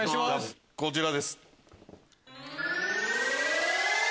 こちらです。